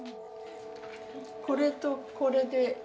これとこれで。